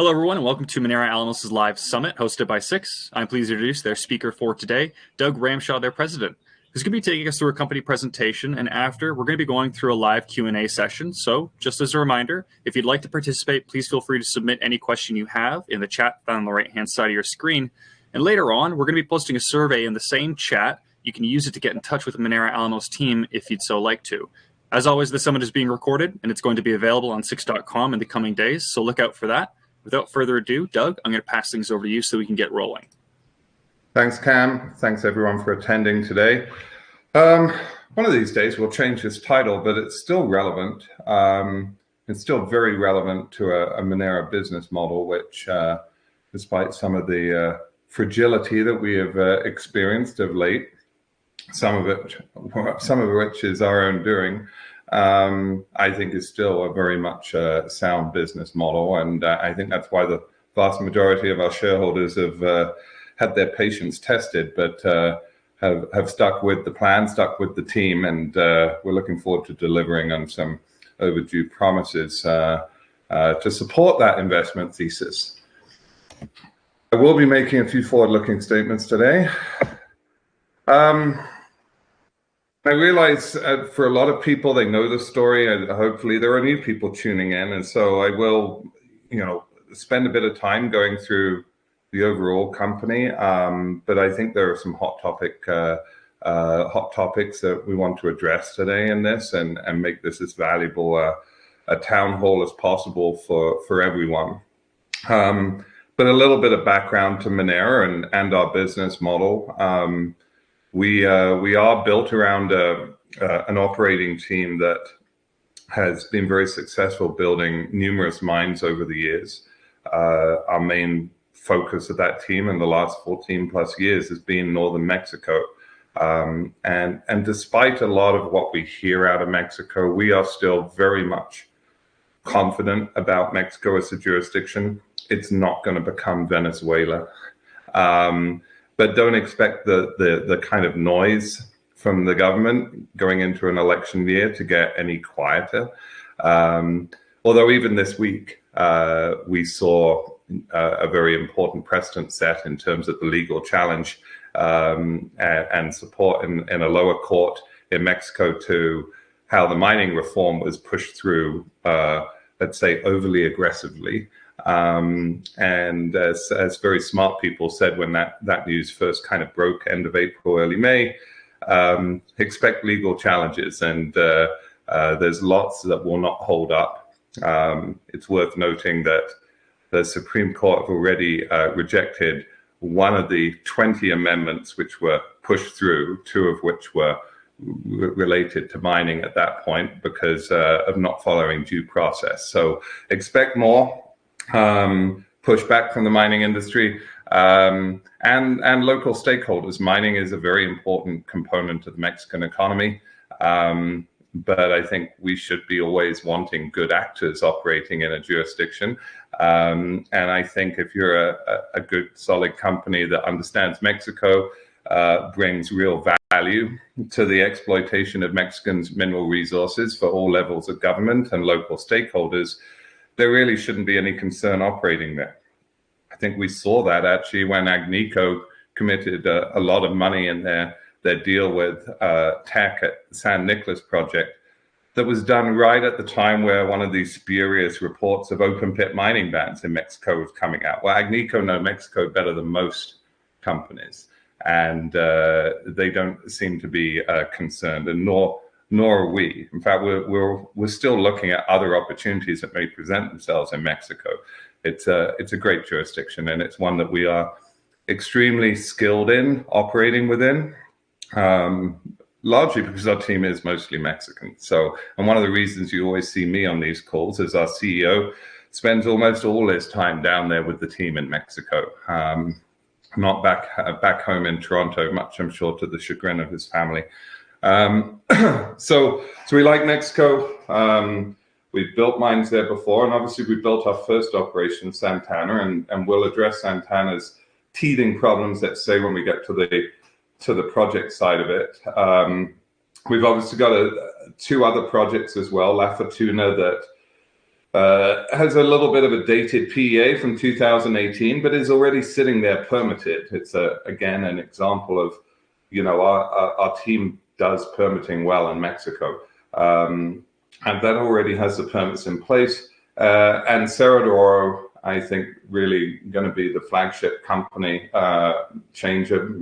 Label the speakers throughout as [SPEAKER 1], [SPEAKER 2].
[SPEAKER 1] Hello everyone, and welcome to Minera Alamos' Live Summit hosted by 6ix. I'm pleased to introduce their speaker for today, Doug Ramshaw, their President. He's gonna be taking us through a company presentation, and after, we're gonna be going through a live Q&A session. Just as a reminder, if you'd like to participate, please feel free to submit any question you have in the chat on the right-hand side of your screen. Later on, we're gonna be posting a survey in the same chat. You can use it to get in touch with Minera Alamos team if you'd so like to. As always, this summit is being recorded, and it's going to be available on 6ix.com in the coming days. Look out for that. Without further ado, Doug, I'm gonna pass things over to you so we can get rolling.
[SPEAKER 2] Thanks, Cam. Thanks everyone for attending today. One of these days we'll change this title, but it's still relevant. It's still very relevant to a Minera business model, which, despite some of the fragility that we have experienced of late, some of it, some of which is our own doing, I think is still a very much sound business model. I think that's why the vast majority of our shareholders have had their patience tested but have stuck with the plan, stuck with the team, and we're looking forward to delivering on some overdue promises to support that investment thesis. I will be making a few forward-looking statements today. I realize for a lot of people they know the story and hopefully there are new people tuning in. I will, you know, spend a bit of time going through the overall company. I think there are some hot topics that we want to address today in this and make this as valuable a town hall as possible for everyone. A little bit of background to Minera Alamos and our business model. We are built around an operating team that has been very successful building numerous mines over the years. Our main focus of that team in the last 14+ years has been northern Mexico. Despite a lot of what we hear out of Mexico, we are still very much confident about Mexico as a jurisdiction. It's not gonna become Venezuela. Don't expect the kind of noise from the government going into an election year to get any quieter. Although even this week, we saw a very important precedent set in terms of the legal challenge and support in a lower court in Mexico to how the mining reform was pushed through, let's say overly aggressively. As very smart people said when that news first kind of broke end of April, early May, expect legal challenges and there's lots that will not hold up. It's worth noting that the Supreme Court have already rejected one of the 20 amendments which were pushed through, two of which were related to mining at that point because of not following due process. Expect more pushback from the mining industry and local stakeholders. Mining is a very important component of the Mexican economy. I think we should be always wanting good actors operating in a jurisdiction. I think if you're a good solid company that understands Mexico, brings real value to the exploitation of Mexico's mineral resources for all levels of government and local stakeholders, there really shouldn't be any concern operating there. I think we saw that actually when Agnico committed a lot of money in their deal with Teck at San Nicolás project that was done right at the time where one of these spurious reports of open pit mining bans in Mexico was coming out. Well, Agnico know Mexico better than most companies and, they don't seem to be, concerned and nor are we. In fact, we're still looking at other opportunities that may present themselves in Mexico. It's a great jurisdiction and it's one that we are extremely skilled in operating within, largely because our team is mostly Mexican. One of the reasons you always see me on these calls is our CEO spends almost all his time down there with the team in Mexico, not back home in Toronto much I'm sure to the chagrin of his family. We like Mexico. We've built mines there before and obviously we built our first operation Santana and we'll address Santana's teething problems, let's say when we get to the project side of it. We've obviously got two other projects as well. La Fortuna, that has a little bit of a dated PEA from 2018 but is already sitting there permitted. It's again, an example of, you know, our team does permitting well in Mexico. That already has the permits in place. Cerro de Oro, I think really gonna be the flagship company, game changer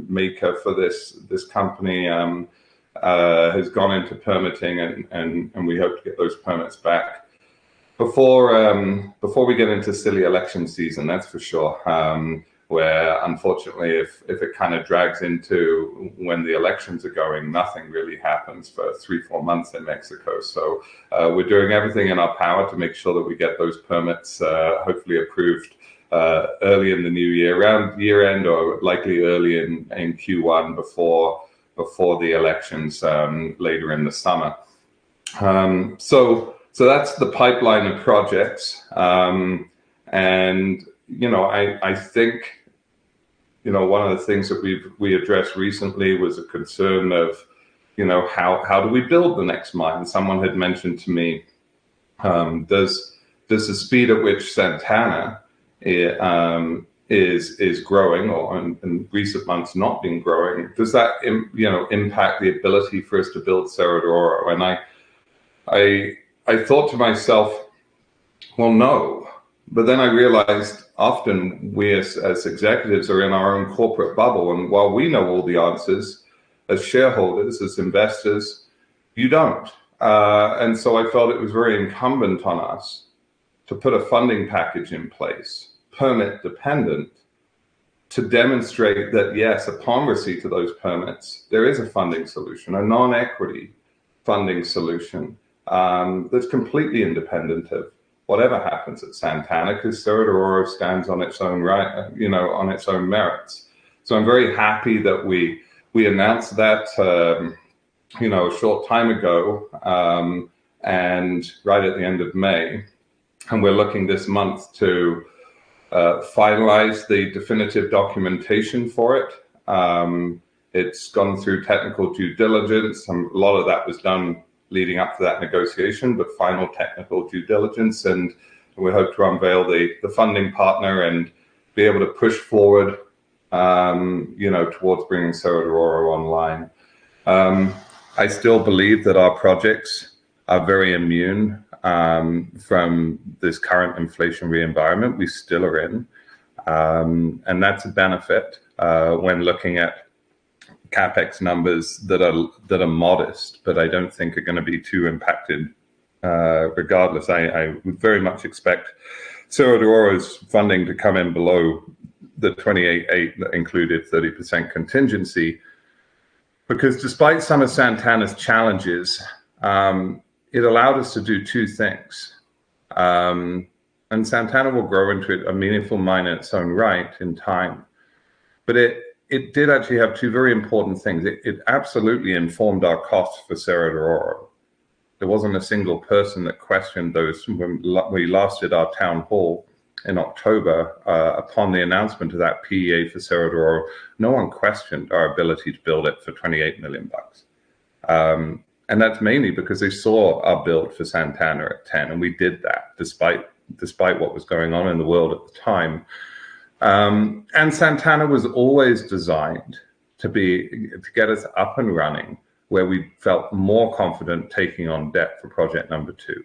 [SPEAKER 2] for this company, has gone into permitting and we hope to get those permits back before we get into silly election season, that's for sure. Where unfortunately if it kind of drags into when the elections are going, nothing really happens for 3-4 months in Mexico. We're doing everything in our power to make sure that we get those permits, hopefully approved early in the new year, around year end or likely early in Q1 before the elections later in the summer. That's the pipeline of projects. You know, I think you know one of the things that we've addressed recently was a concern of you know how do we build the next mine. Someone had mentioned to me does the speed at which Santana is growing or in recent months not been growing does that impact the ability for us to build Cerro de Oro? I thought to myself, "Well, no." I realized often we as executives are in our own corporate bubble, and while we know all the answers, as shareholders, as investors, you don't. I felt it was very incumbent on us to put a funding package in place, permit dependent, to demonstrate that, yes, upon receipt of those permits, there is a funding solution, a non-equity funding solution, that's completely independent of whatever happens at Santana because Cerro de Oro stands on its own right, you know, on its own merits. I'm very happy that we announced that, you know, a short time ago, and right at the end of May. We're looking this month to finalize the definitive documentation for it. It's gone through technical due diligence. A lot of that was done leading up to that negotiation, but final technical due diligence, and we hope to unveil the funding partner and be able to push forward, you know, towards bringing Cerro de Oro online. I still believe that our projects are very immune from this current inflationary environment we still are in. That's a benefit when looking at CapEx numbers that are modest, but I don't think are gonna be too impacted. Regardless, I very much expect Cerro de Oro's funding to come in below the $28 million that included 30% contingency. Because despite some of Santana's challenges, it allowed us to do two things. Santana will grow into a meaningful mine in its own right in time. It did actually have two very important things. It absolutely informed our costs for Cerro de Oro. There wasn't a single person that questioned those when we last did our town hall in October, upon the announcement of that PEA for Cerro de Oro, no one questioned our ability to build it for $28 million. That's mainly because they saw our build for Santana at $10 million, and we did that despite what was going on in the world at the time. Santana was always designed to be, to get us up and running where we felt more confident taking on debt for project number two.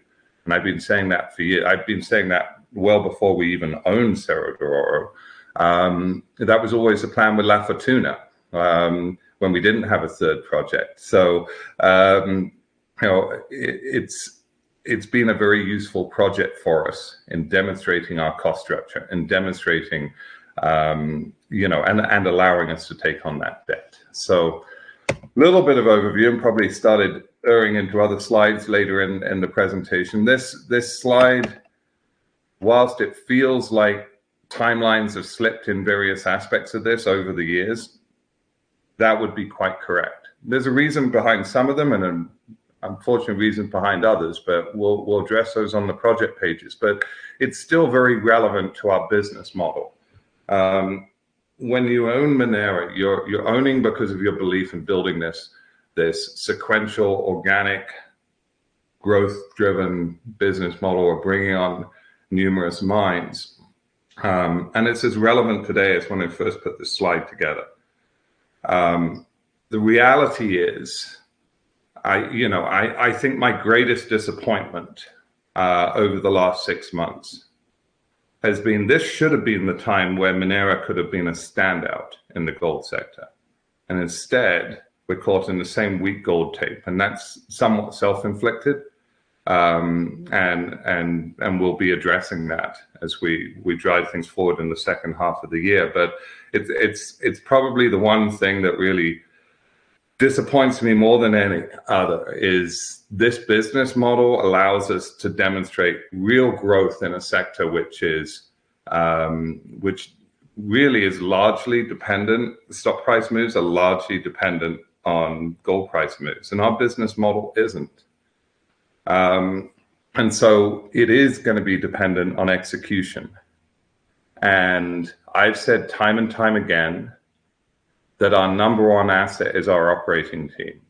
[SPEAKER 2] I've been saying that for years. I've been saying that well before we even owned Cerro de Oro. That was always the plan with La Fortuna, when we didn't have a third project. You know, it's been a very useful project for us in demonstrating our cost structure and demonstrating and allowing us to take on that debt. Little bit of overview, and probably started veering into other slides later in the presentation. This slide, while it feels like timelines have slipped in various aspects of this over the years, that would be quite correct. There's a reason behind some of them and an unfortunate reason behind others, but we'll address those on the project pages. It's still very relevant to our business model. When you own Minera, you're owning because of your belief in building this sequential, organic, growth-driven business model. We're bringing on numerous mines. It's as relevant today as when I first put this slide together. The reality is, you know, I think my greatest disappointment over the last six months has been this should have been the time where Minera could have been a standout in the gold sector, and instead we're caught in the same weak gold tape, and that's somewhat self-inflicted. We'll be addressing that as we drive things forward in the second half of the year. It's probably the one thing that really disappoints me more than any other is this business model allows us to demonstrate real growth in a sector which really is largely dependent. Stock price moves are largely dependent on gold price moves, and our business model isn't. It is gonna be dependent on execution. I've said time and time again that our number one asset is our operating team,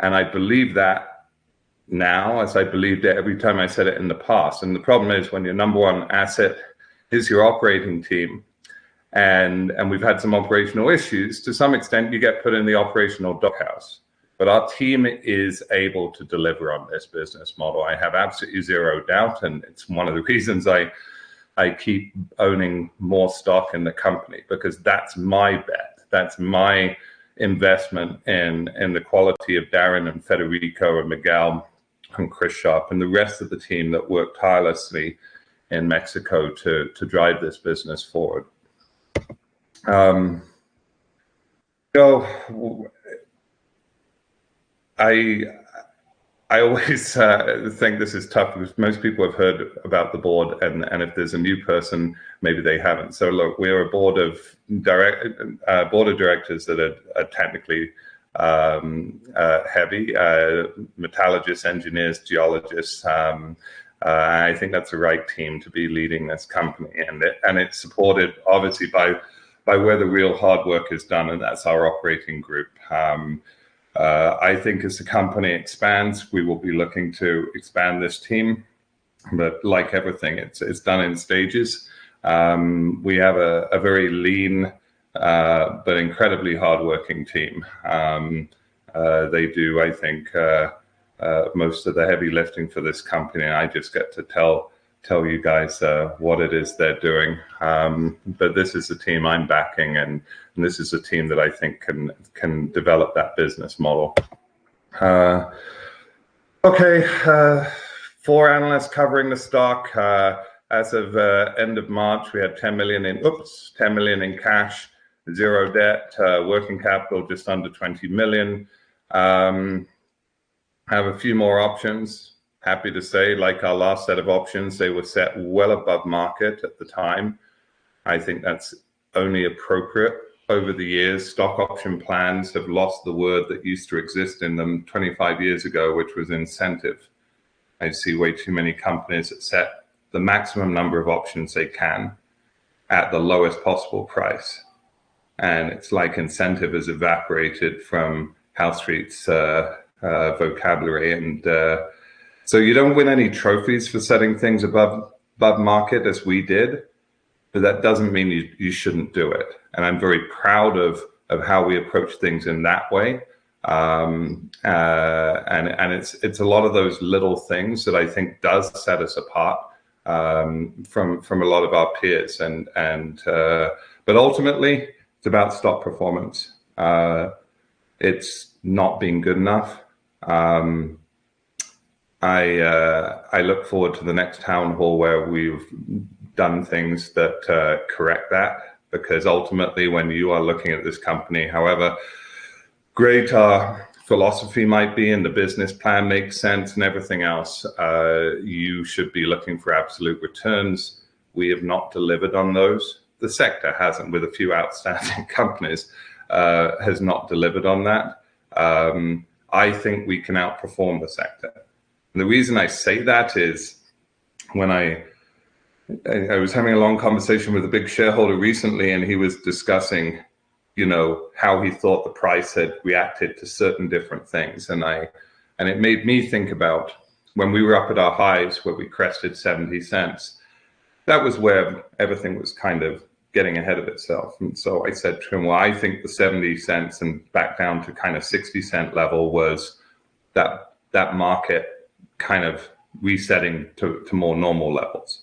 [SPEAKER 2] and I believe that now, as I believed it every time I said it in the past. The problem is when your number one asset is your operating team, and we've had some operational issues, to some extent you get put in the operational doghouse. Our team is able to deliver on this business model. I have absolutely zero doubt, and it's one of the reasons I keep owning more stock in the company because that's my bet. That's my investment in the quality of Darren and Federico and Miguel and Chris Sharpe and the rest of the team that work tirelessly in Mexico to drive this business forward. I always think this is tough because most people have heard about the board and if there's a new person, maybe they haven't. Look, we are a board of directors that are technically heavy metallurgists, engineers, geologists. I think that's the right team to be leading this company. It's supported obviously by where the real hard work is done, and that's our operating group. I think as the company expands, we will be looking to expand this team. Like everything, it's done in stages. We have a very lean but incredibly hardworking team. They do, I think, most of the heavy lifting for this company. I just get to tell you guys what it is they're doing. This is the team I'm backing, and this is the team that I think can develop that business model. Four analysts covering the stock. As of the end of March, we had 10 million in cash, zero debt, working capital just under 20 million. Have a few more options. Happy to say, like our last set of options, they were set well above market at the time. I think that's only appropriate. Over the years, stock option plans have lost the word that used to exist in them 25 years ago, which was incentive. I see way too many companies that set the maximum number of options they can at the lowest possible price, and it's like incentive has evaporated from Bay Street's vocabulary. So you don't win any trophies for setting things above market as we did, but that doesn't mean you shouldn't do it. I'm very proud of how we approach things in that way. It's a lot of those little things that I think does set us apart from a lot of our peers. Ultimately, it's about stock performance. It's not been good enough. I look forward to the next town hall where we've done things that correct that because ultimately, when you are looking at this company, however great our philosophy might be and the business plan makes sense and everything else, you should be looking for absolute returns. We have not delivered on those. The sector hasn't, with a few outstanding companies, delivered on that. I think we can outperform the sector. The reason I say that is I was having a long conversation with a big shareholder recently, and he was discussing, you know, how he thought the price had reacted to certain different things. It made me think about when we were up at our highs where we crested 0.70. That was where everything was kind of getting ahead of itself. I said to him, "Well, I think the 0.70 and back down to kind of 0.60 level was that market kind of resetting to more normal levels."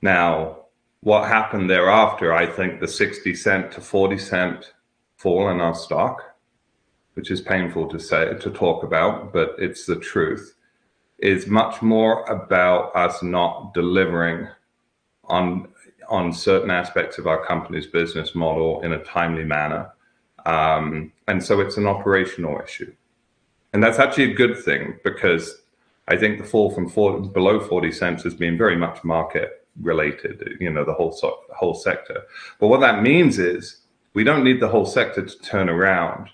[SPEAKER 2] Now, what happened thereafter, I think the 0.60-0.40 fall in our stock, which is painful to say, but it's the truth, is much more about us not delivering on certain aspects of our company's business model in a timely manner. It's an operational issue. That's actually a good thing because I think the fall from below 0.40 has been very much market related, you know, the whole sector. What that means is we don't need the whole sector to turn around.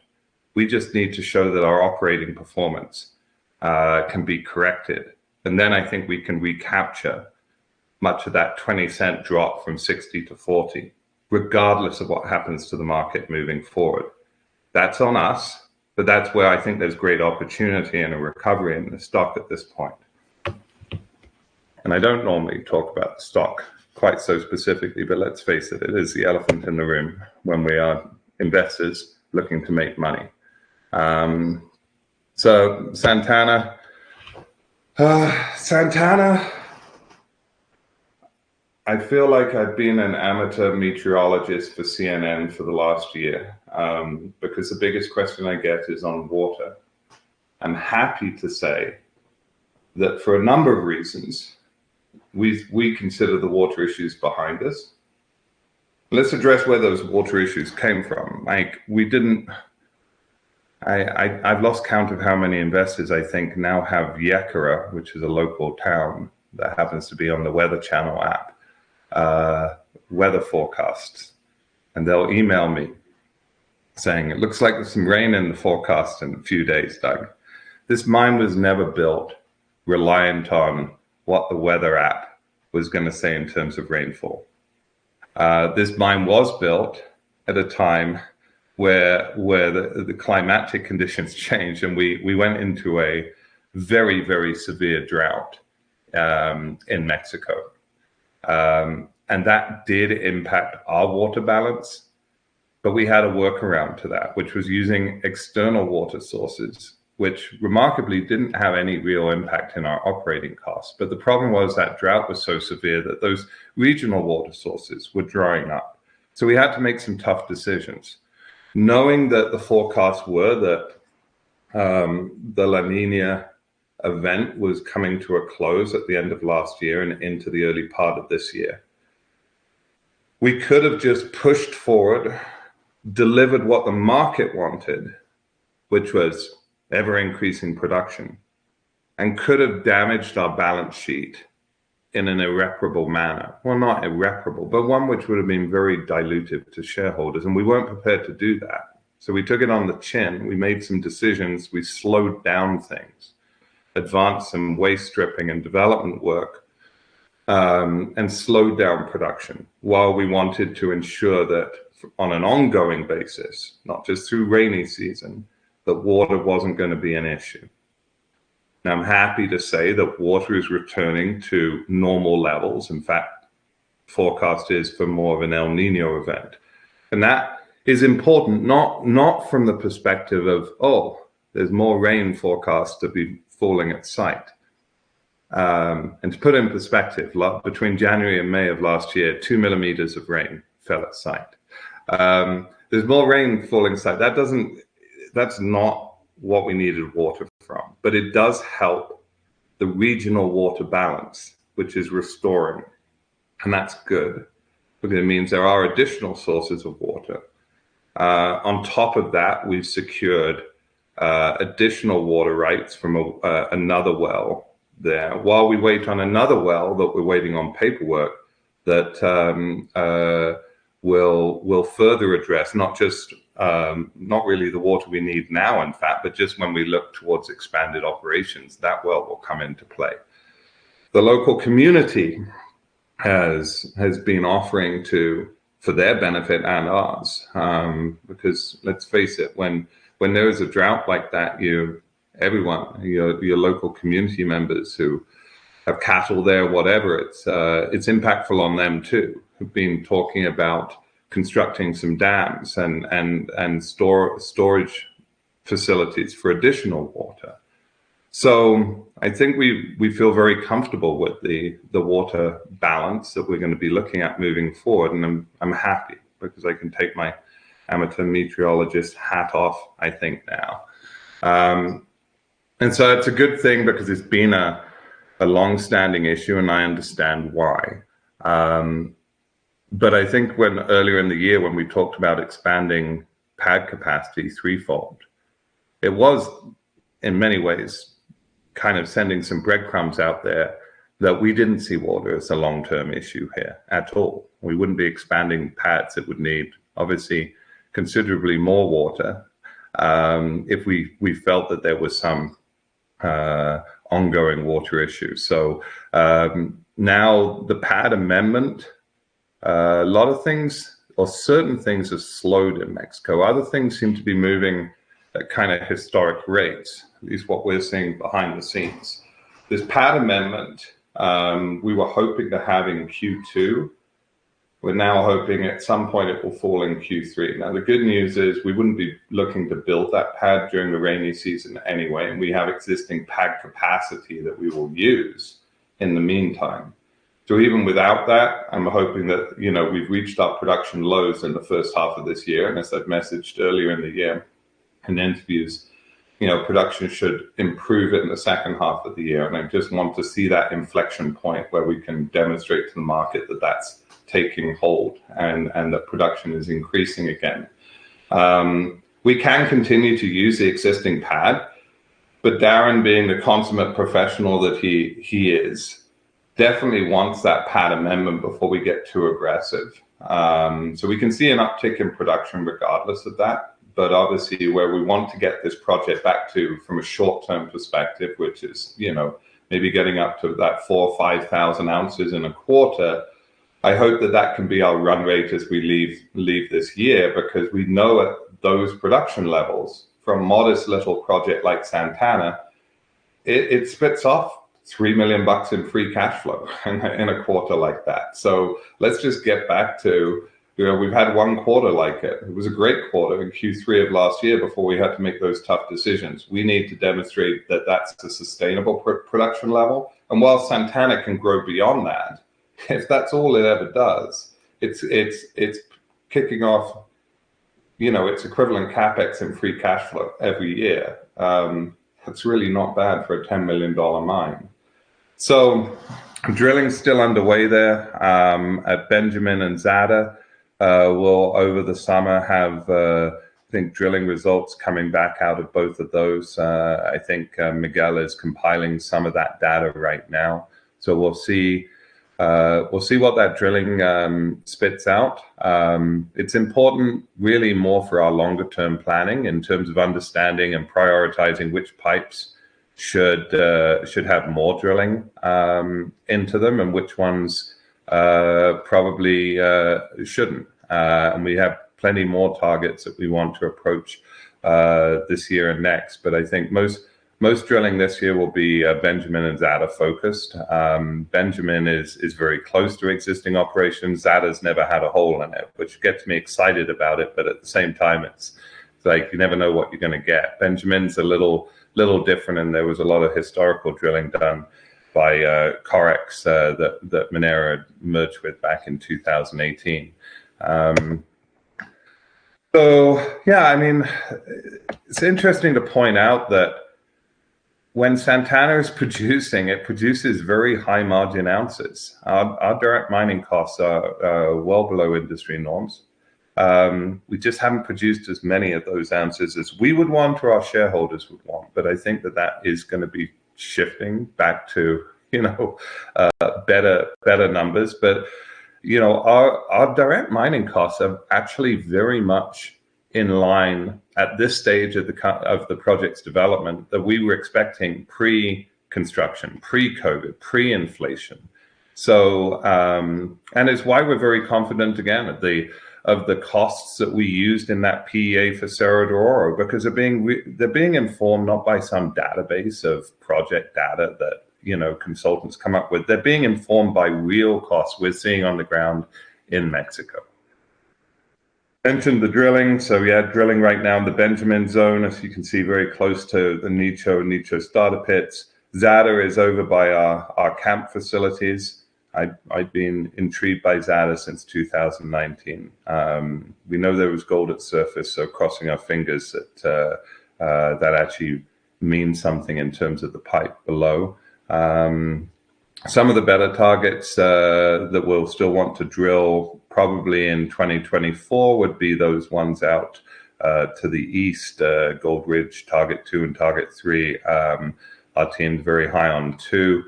[SPEAKER 2] We just need to show that our operating performance can be corrected, and then I think we can recapture much of that 0.20 drop from 0.60-0.40 regardless of what happens to the market moving forward. That's on us, but that's where I think there's great opportunity and a recovery in the stock at this point. I don't normally talk about the stock quite so specifically, but let's face it is the elephant in the room when we are investors looking to make money. Santana. I feel like I've been an amateur meteorologist for CNN for the last year, because the biggest question I get is on water. I'm happy to say that for a number of reasons, we consider the water issues behind us. Let's address where those water issues came from. I've lost count of how many investors I think now have Yécora, which is a local town that happens to be on The Weather Channel app, weather forecasts. They'll email me saying, "It looks like there's some rain in the forecast in a few days, Doug." This mine was never built reliant on what the weather app was gonna say in terms of rainfall. This mine was built at a time where the climatic conditions changed and we went into a very severe drought in Mexico. That did impact our water balance, but we had a workaround to that, which was using external water sources, which remarkably didn't have any real impact in our operating costs. The problem was that drought was so severe that those regional water sources were drying up. We had to make some tough decisions, knowing that the forecasts were that the La Niña event was coming to a close at the end of last year and into the early part of this year. We could have just pushed forward, delivered what the market wanted, which was ever-increasing production. We could have damaged our balance sheet in an irreparable manner. Well, not irreparable, but one which would have been very dilutive to shareholders. We weren't prepared to do that. We took it on the chin. We made some decisions. We slowed down things, advanced some waste stripping and development work, and slowed down production while we wanted to ensure that on an ongoing basis, not just through rainy season, that water wasn't gonna be an issue. Now, I'm happy to say that water is returning to normal levels. In fact, forecast is for more of an El Niño event. That is important not from the perspective of, oh, there's more rain forecast to be falling at site. To put it in perspective, between January and May of last year, two millimeters of rain fell at site. There's more rain falling at site. That's not what we needed water from, but it does help the regional water balance, which is restoring, and that's good because it means there are additional sources of water. On top of that, we've secured additional water rights from another well there while we wait on another well that we're waiting on paperwork that will further address not just not really the water we need now, in fact, but just when we look towards expanded operations, that well will come into play. The local community has been offering for their benefit and ours, because let's face it, when there is a drought like that, everyone, your local community members who have cattle there, whatever, it's impactful on them too. We've been talking about constructing some dams and storage facilities for additional water. I think we feel very comfortable with the water balance that we're gonna be looking at moving forward. I'm happy because I can take my amateur meteorologist hat off, I think, now. It's a good thing because it's been a long-standing issue, and I understand why. But I think when earlier in the year when we talked about expanding pad capacity threefold, it was in many ways kind of sending some breadcrumbs out there that we didn't see water as a long-term issue here at all. We wouldn't be expanding pads that would need obviously considerably more water, if we felt that there was some ongoing water issue. Now the pad amendment, a lot of things or certain things have slowed in Mexico. Other things seem to be moving at kinda historic rates, at least what we're seeing behind the scenes. This pad amendment, we were hoping to have in Q2. We're now hoping at some point it will fall in Q3. Now, the good news is we wouldn't be looking to build that pad during the rainy season anyway, and we have existing pad capacity that we will use in the meantime. Even without that, I'm hoping that, you know, we've reached our production lows in the first half of this year. As I've messaged earlier in the year in interviews, you know, production should improve in the second half of the year. I just want to see that inflection point where we can demonstrate to the market that that's taking hold and that production is increasing again. We can continue to use the existing pad. Darren being the consummate professional that he is, definitely wants that pad amendment before we get too aggressive. We can see an uptick in production regardless of that. Obviously where we want to get this project back to from a short-term perspective, which is, you know, maybe getting up to that 4,000 oz or 5,000 oz in a quarter. I hope that can be our run rate as we leave this year because we know at those production levels from a modest little project like Santana, it spits off $3 million in free cash flow in a quarter like that. Let's just get back to, you know, we've had one quarter like it. It was a great quarter in Q3 of last year before we had to make those tough decisions. We need to demonstrate that that's the sustainable pre-production level. While Santana can grow beyond that, if that's all it ever does, it's kicking off, you know, its equivalent CapEx and free cash flow every year. That's really not bad for a $10 million mine. Drilling's still underway there at Benjamin and Zada. We'll over the summer have, I think, drilling results coming back out of both of those. I think Miguel is compiling some of that data right now. We'll see. We'll see what that drilling spits out. It's important really more for our longer term planning in terms of understanding and prioritizing which pipes should have more drilling into them and which ones probably shouldn't. We have plenty more targets that we want to approach this year and next. I think most drilling this year will be Benjamin and Zada-focused. Benjamin is very close to existing operations. Zada's never had a hole in it, which gets me excited about it. At the same time, it's like you never know what you're gonna get. Benjamin's a little different, and there was a lot of historical drilling done by Corex that Minera merged with back in 2018. It's interesting to point out that when Santana is producing, it produces very high-margin ounces. Our direct mining costs are well below industry norms. We just haven't produced as many of those ounces as we would want or our shareholders would want. I think that is gonna be shifting back to, you know, better numbers. Our direct mining costs are actually very much in line at this stage of the project's development that we were expecting pre-construction, pre-COVID, pre-inflation. It's why we're very confident in the costs that we used in that PEA for Cerro de Oro because they're being informed not by some database of project data that, you know, consultants come up with. They're being informed by real costs we're seeing on the ground in Mexico. We mentioned the drilling. We are drilling right now in the Benjamin Zone, as you can see, very close to the Nicho starter pits. Zada is over by our camp facilities. I'd been intrigued by Zada since 2019. We know there was gold at surface, so crossing our fingers that actually means something in terms of the pipe below. Some of the better targets that we'll still want to drill probably in 2024 would be those ones out to the east, Gold Ridge target two and target three. Our team's very high on two.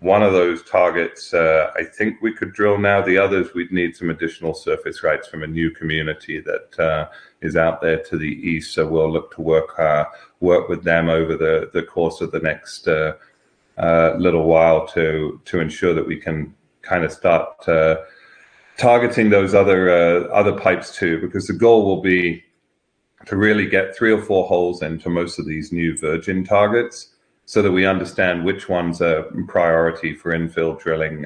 [SPEAKER 2] One of those targets, I think we could drill now. The others, we'd need some additional surface rights from a new community that is out there to the east. We'll look to work with them over the course of the next little while to ensure that we can kinda start targeting those other pipes too. Because the goal will be to really get three or four holes into most of these new virgin targets so that we understand which one's a priority for infill drilling,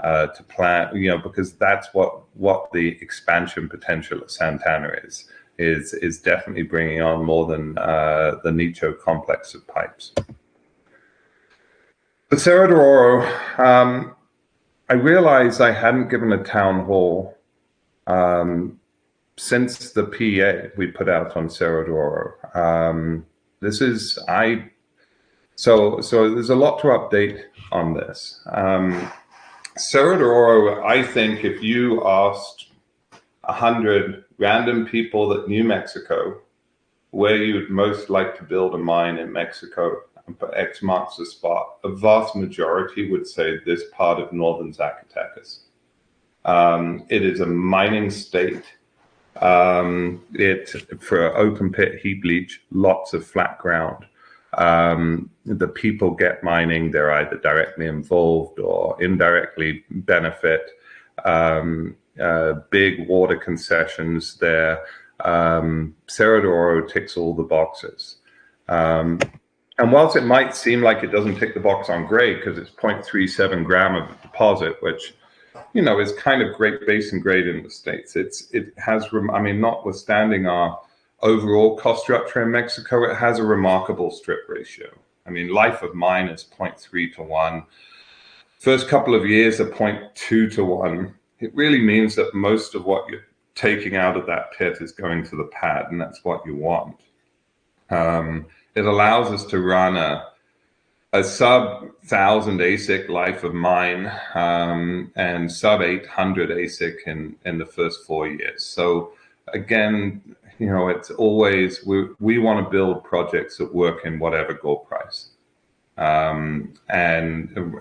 [SPEAKER 2] to plan. You know, because that's what the expansion potential of Santana is definitely bringing on more than the Nicho complex of pipes. The Cerro de Oro, I realize I hadn't given a town hall since the PEA we put out on Cerro de Oro. This is. There's a lot to update on this. Cerro de Oro, I think if you asked 100 random people that knew Mexico where you'd most like to build a mine in Mexico and put X marks the spot, a vast majority would say this part of northern Zacatecas. It is a mining state. For open pit heap leach, lots of flat ground. The people get mining. They're either directly involved or indirectly benefit. Big water concessions there, Cerro de Oro ticks all the boxes. While it might seem like it doesn't tick the box on grade, 'cause it's 0.37 gram of deposit, which, you know, is kind of great base and grade in the States. It has, I mean, notwithstanding our overall cost structure in Mexico, it has a remarkable strip ratio. I mean, life of mine is 0.3:1. First couple of years are 0.2:1. It really means that most of what you're taking out of that pit is going to the pad, and that's what you want. It allows us to run a sub-1,000 AISC life of mine, and sub-800 AISC in the first four years. Again, you know, it's always we wanna build projects that work in whatever gold price, and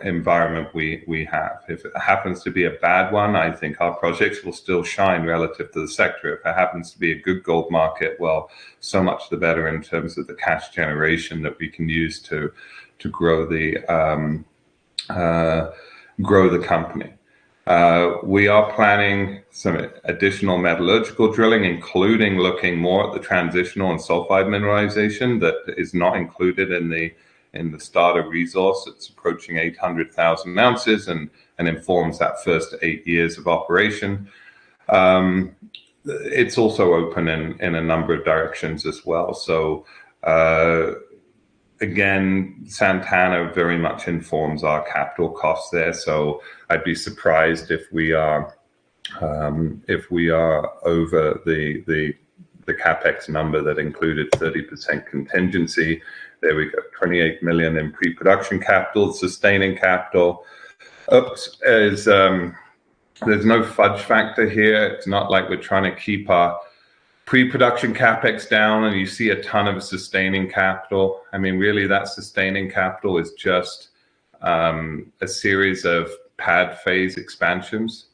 [SPEAKER 2] environment we have. If it happens to be a bad one, I think our projects will still shine relative to the sector. If it happens to be a good gold market, well, so much the better in terms of the cash generation that we can use to grow the company. We are planning some additional metallurgical drilling, including looking more at the transitional and sulfide mineralization that is not included in the starter resource. It's approaching 800,000 oz and informs that first eight years of operation. It's also open in a number of directions as well. Again, Santana very much informs our capital costs there. I'd be surprised if we are over the CapEx number that included 30% contingency. There we go. $28 million in pre-production capital. Sustaining capital. Oops. There's no fudge factor here. It's not like we're trying to keep our pre-production CapEx down, and you see a ton of sustaining capital. I mean, really, that sustaining capital is just a series of pad phase expansions.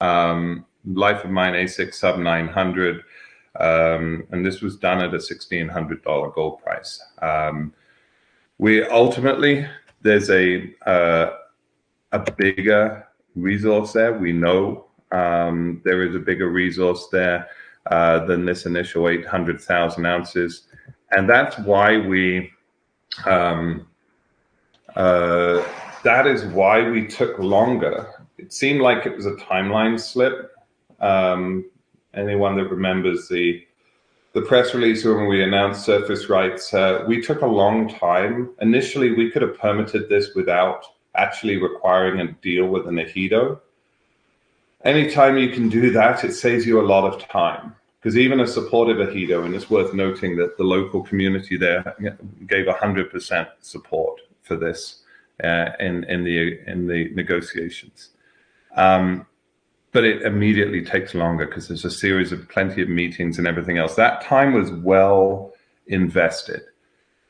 [SPEAKER 2] Life of mine AISC sub 900, and this was done at a 1,600 dollar gold price. We ultimately, there's a bigger resource there. We know, there is a bigger resource there, than this initial 800,000 oz. That's why we that is why we took longer. It seemed like it was a timeline slip. Anyone that remembers the press release when we announced surface rights, we took a long time. Initially, we could have permitted this without actually requiring a deal with the ejido. Anytime you can do that, it saves you a lot of time. Even a supportive ejido, and it's worth noting that the local community there gave 100% support for this in the negotiations. But it immediately takes longer because there's a series of plenty of meetings and everything else. That time was well invested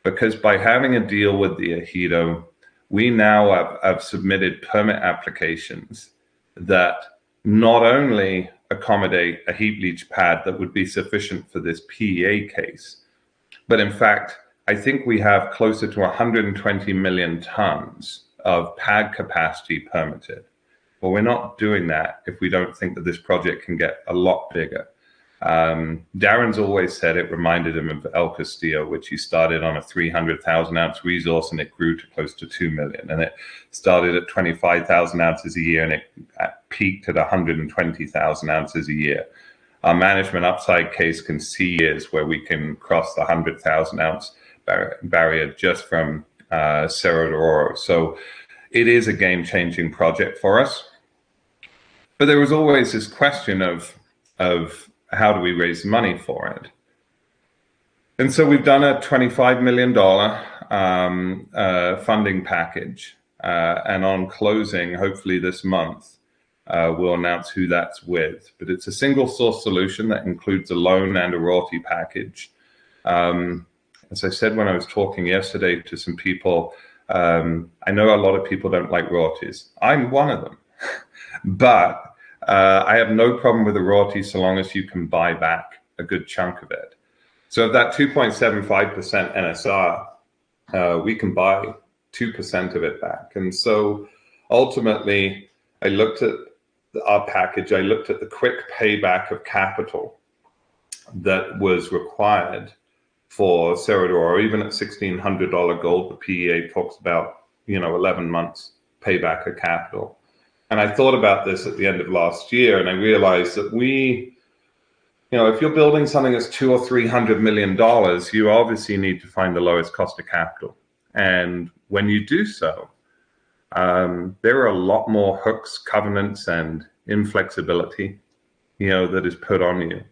[SPEAKER 2] because by having a deal with the ejido, we now have submitted permit applications that not only accommodate a heap leach pad that would be sufficient for this PEA case, but in fact, I think we have closer to 120 million tons of pad capacity permitted. We're not doing that if we don't think that this project can get a lot bigger. Darren's always said it reminded him of El Castillo, which he started on a 300,000 oz resource and it grew to close to 2 million. It started at 25,000 oz a year and it peaked at 120,000 oz a year. Our management upside case can see is where we can cross the 100,000 oz barrier just from Cerro de Oro. It is a game-changing project for us. There was always this question of how do we raise money for it? We've done a $25 million funding package. On closing, hopefully this month, we'll announce who that's with. It's a single-source solution that includes a loan and a royalty package. As I said when I was talking yesterday to some people, I know a lot of people don't like royalties. I'm one of them. I have no problem with a royalty so long as you can buy back a good chunk of it. That 2.75% NSR, we can buy 2% of it back. Ultimately, I looked at our package. I looked at the quick payback of capital that was required for Cerro de Oro. Even at $1,600 gold, the PEA talks about 11 months payback of capital. I thought about this at the end of last year. I realized that if you're building something that's $200 million-$300 million, you obviously need to find the lowest cost of capital. When you do so, there are a lot more hooks, covenants, and inflexibility, you know, that is put on you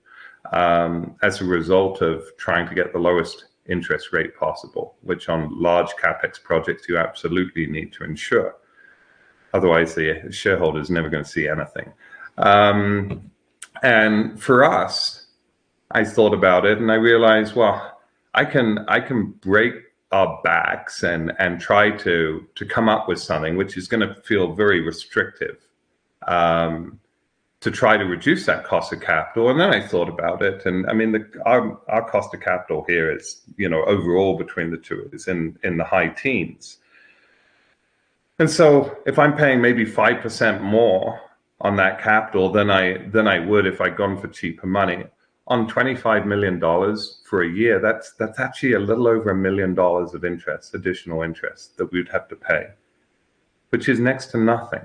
[SPEAKER 2] as a result of trying to get the lowest interest rate possible, which on large CapEx projects, you absolutely need to ensure. Otherwise, the shareholder is never going to see anything. For us, I thought about it and I realized, well, I can break our backs and try to come up with something which is going to feel very restrictive to try to reduce that cost of capital. Then I thought about it. I mean, our cost of capital here is, you know, overall between the two is in the high teens. If I'm paying maybe 5% more on that capital than I would if I'd gone for cheaper money, on $25 million for a year, that's actually a little over $1 million of interest, additional interest that we'd have to pay, which is next to nothing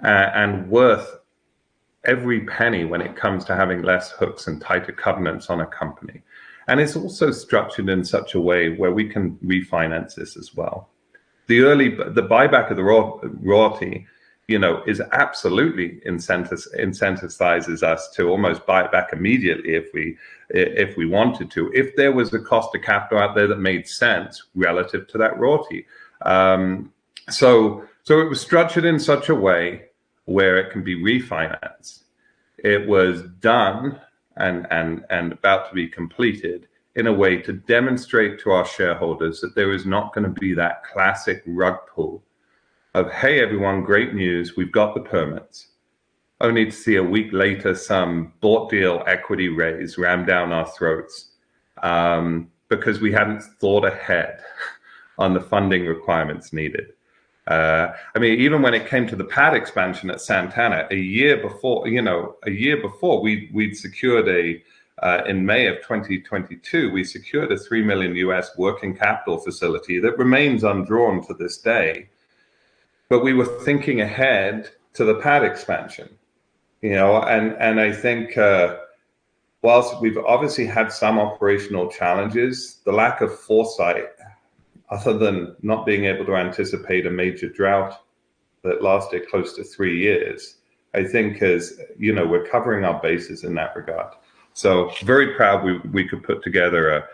[SPEAKER 2] and worth every penny when it comes to having less hooks and tighter covenants on a company. It's also structured in such a way where we can refinance this as well. The early buyback of the royalty, you know, absolutely incentivizes us to almost buy it back immediately if we wanted to, if there was a cost of capital out there that made sense relative to that royalty. It was structured in such a way where it can be refinanced. It was done and about to be completed in a way to demonstrate to our shareholders that there is not going to be that classic rug pull of, hey, everyone, great news. We've got the permits. Only to see a week later some bought deal equity raise rammed down our throats because we hadn't thought ahead on the funding requirements needed. I mean, even when it came to the pad expansion at Santana, a year before, you know, in May 2022, we secured a $3 million working capital facility that remains undrawn to this day. We were thinking ahead to the pad expansion, you know, and I think while we've obviously had some operational challenges, the lack of foresight other than not being able to anticipate a major drought that lasted close to three years, I think is, you know, we're covering our bases in that regard. Very proud we could put together a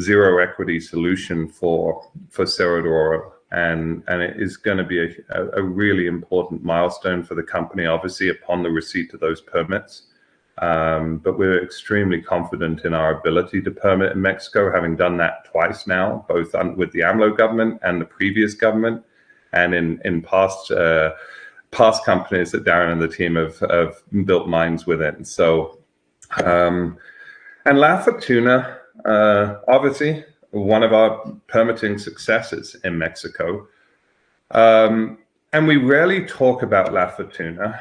[SPEAKER 2] zero equity solution for Cerro de Oro. It is going to be a really important milestone for the company, obviously, upon the receipt of those permits. We're extremely confident in our ability to permit in Mexico, having done that twice now, both with the AMLO government and the previous government and in past companies that Darren and the team have built mines with it. La Fortuna, obviously, one of our permitting successes in Mexico. We rarely talk about La Fortuna,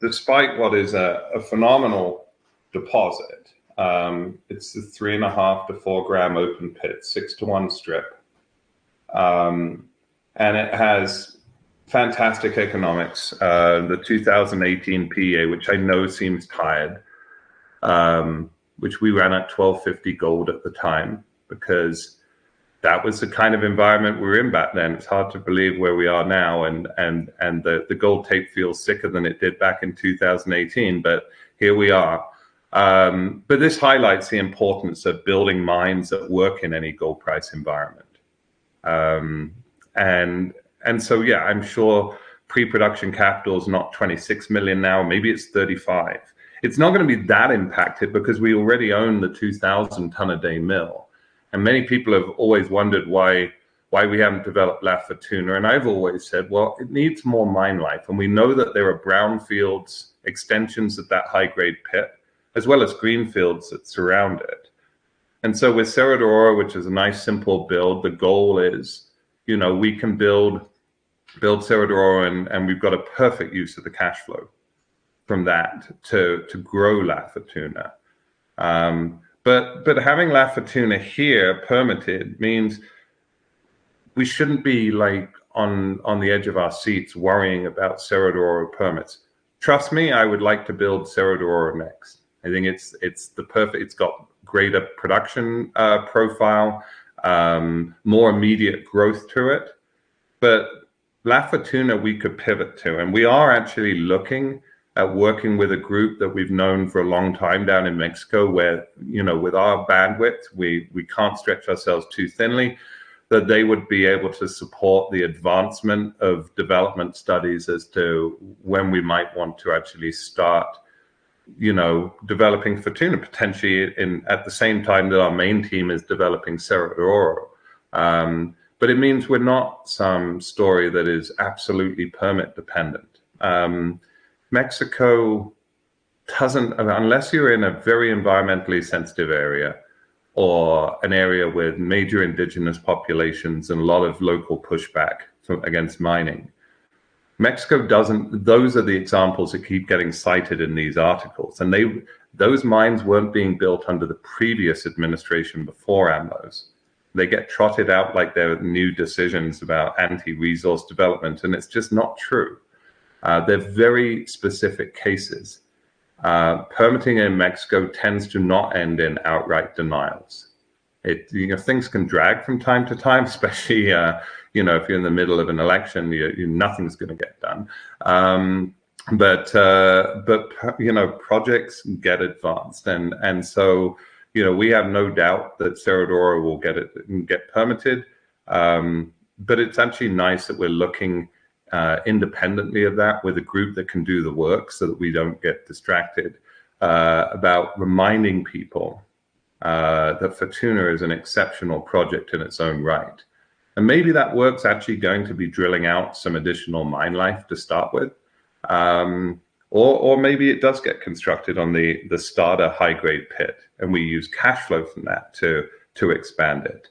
[SPEAKER 2] despite what is a phenomenal deposit. It's the 3.5 g-4 g open pit, 6:1 strip. It has fantastic economics. The 2018 PEA, which I know seems tired, which we ran at $1,250 gold at the time because that was the kind of environment we were in back then. It's hard to believe where we are now and the gold tape feels sicker than it did back in 2018, but here we are. But this highlights the importance of building mines that work in any gold price environment. Yeah, I'm sure pre-production capital is not $26 million now. Maybe it's $35 million. It's not going to be that impacted because we already own the 2,000 ton a day mill. Many people have always wondered why we haven't developed La Fortuna. I've always said, well, it needs more mine life. We know that there are brownfields extensions of that high-grade pit as well as greenfields that surround it. With Cerro de Oro, which is a nice, simple build, the goal is, you know, we can build Cerro de Oro and we've got a perfect use of the cash flow from that to grow La Fortuna. Having La Fortuna here permitted means we shouldn't be like on the edge of our seats worrying about Cerro de Oro permits. Trust me, I would like to build Cerro de Oro next. I think it's the perfect. It's got greater production profile, more immediate growth to it. La Fortuna we could pivot to. We are actually looking at working with a group that we've known for a long time down in Mexico where, you know, with our bandwidth, we can't stretch ourselves too thinly, that they would be able to support the advancement of development studies as to when we might want to actually start, you know, developing Fortuna potentially in, at the same time that our main team is developing Cerro de Oro. But it means we're not some story that is absolutely permit dependent. Mexico doesn't. Unless you're in a very environmentally sensitive area or an area with major indigenous populations and a lot of local pushback against mining, Mexico doesn't. Those are the examples that keep getting cited in these articles. Those mines weren't being built under the previous administration before AMLO's. They get trotted out like they're new decisions about anti-resource development, and it's just not true. They're very specific cases. Permitting in Mexico tends to not end in outright denials. You know, things can drag from time to time, especially, you know, if you're in the middle of an election, nothing's gonna get done. But you know, projects get advanced. You know, we have no doubt that Cerro de Oro will get permitted. But it's actually nice that we're looking, independently of that with a group that can do the work so that we don't get distracted about reminding people that Fortuna is an exceptional project in its own right. Maybe that work's actually going to be drilling out some additional mine life to start with. Maybe it does get constructed on the starter high-grade pit, and we use cash flow from that to expand it.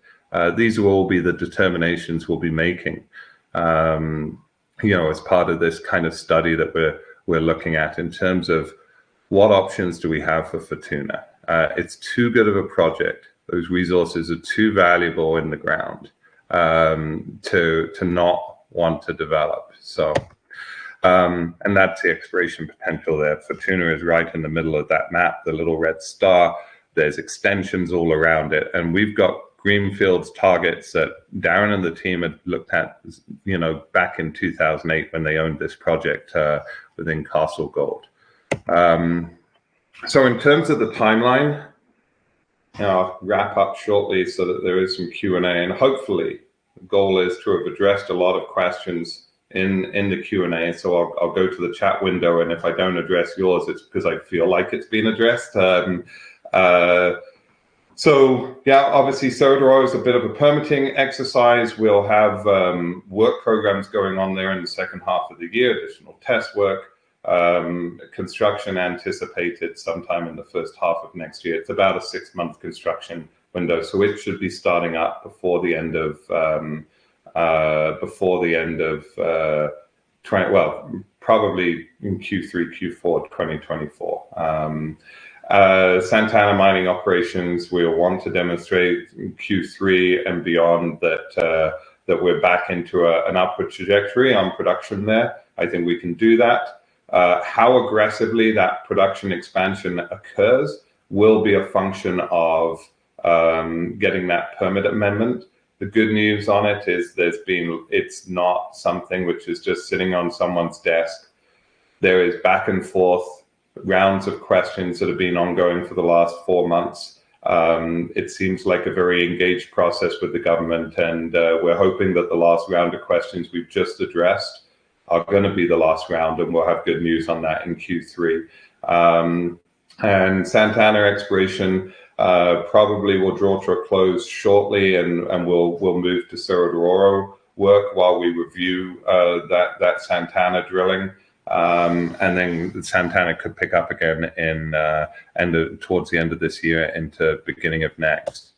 [SPEAKER 2] These will all be the determinations we'll be making, you know, as part of this kind of study that we're looking at in terms of what options do we have for Fortuna. It's too good of a project. Those resources are too valuable in the ground to not want to develop. That's the exploration potential there. Fortuna is right in the middle of that map, the little red star. There's extensions all around it. We've got greenfields targets that Darren and the team had looked at, you know, back in 2008 when they owned this project, within Castle Gold. In terms of the timeline, I'll wrap up shortly so that there is some Q&A. Hopefully, the goal is to have addressed a lot of questions in the Q&A. I'll go to the chat window, and if I don't address yours, it's because I feel like it's been addressed. Obviously, Cerro de Oro is a bit of a permitting exercise. We'll have work programs going on there in the second half of the year, additional test work. Construction anticipated sometime in the first half of next year. It's about a six-month construction window. It should be starting up probably in Q3, Q4 2024. Santana mining operations, we'll want to demonstrate in Q3 and beyond that that we're back into an upward trajectory on production there. I think we can do that. How aggressively that production expansion occurs will be a function of getting that permit amendment. The good news on it is, it's not something which is just sitting on someone's desk. There is back and forth rounds of questions that have been ongoing for the last four months. It seems like a very engaged process with the government, and we're hoping that the last round of questions we've just addressed are gonna be the last round, and we'll have good news on that in Q3. Santana exploration probably will draw to a close shortly and we'll move to Cerro de Oro work while we review that Santana drilling. Santana could pick up again towards the end of this year into beginning of next.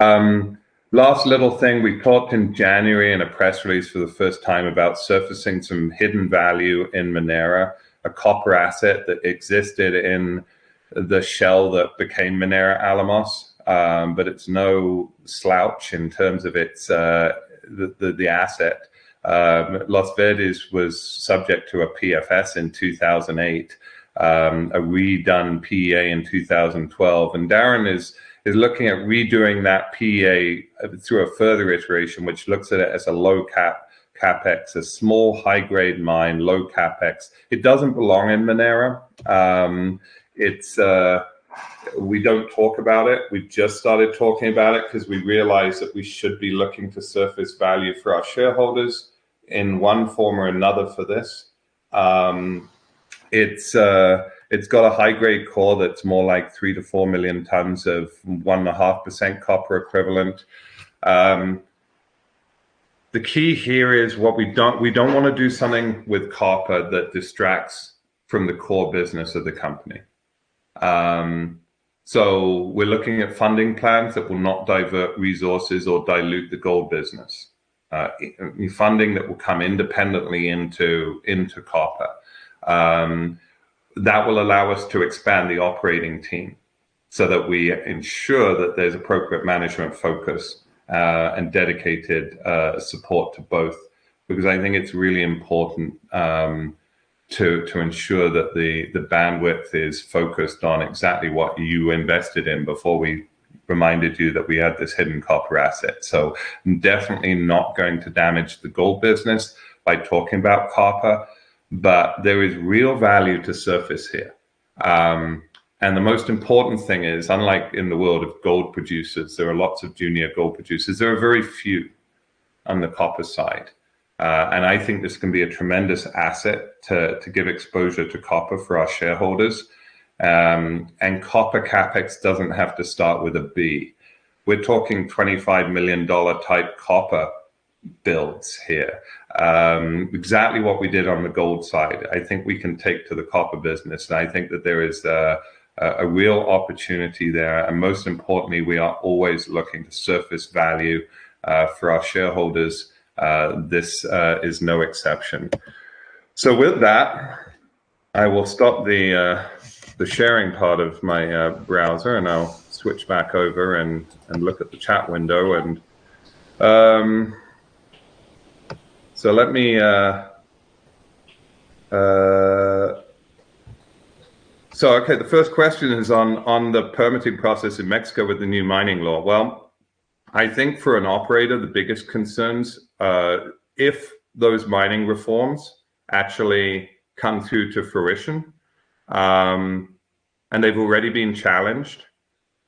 [SPEAKER 2] Last little thing, we talked in January in a press release for the first time about surfacing some hidden value in Minera, a copper asset that existed in the shell that became Minera Alamos. But it's no slouch in terms of its the asset. Los Verdes was subject to a PFS in 2008, a redone PEA in 2012. Darren is looking at redoing that PEA through a further iteration, which looks at it as a low CapEx, a small high-grade mine, low CapEx. It doesn't belong in Minera. We don't talk about it. We just started talking about it 'cause we realized that we should be looking to surface value for our shareholders in one form or another for this. It's got a high-grade core that's more like 3 million-4 million tons of 1.5% copper equivalent. The key here is we don't wanna do something with copper that distracts from the core business of the company. We're looking at funding plans that will not divert resources or dilute the gold business. Funding that will come independently into copper. That will allow us to expand the operating team so that we ensure that there's appropriate management focus and dedicated support to both. Because I think it's really important to ensure that the bandwidth is focused on exactly what you invested in before we reminded you that we had this hidden copper asset. I'm definitely not going to damage the gold business by talking about copper, but there is real value to surface here. The most important thing is, unlike in the world of gold producers, there are lots of junior gold producers. There are very few on the copper side. I think this can be a tremendous asset to give exposure to copper for our shareholders. Copper CapEx doesn't have to start with a B. We're talking $25 million type copper builds here. Exactly what we did on the gold side, I think we can take to the copper business. I think that there is a real opportunity there. Most importantly, we are always looking to surface value for our shareholders. This is no exception. With that, I will stop the sharing part of my browser, and I'll switch back over and look at the chat window. Okay, the first question is on the permitting process in Mexico with the new mining law. Well, I think for an operator, the biggest concerns if those mining reforms actually come through to fruition, and they've already been challenged,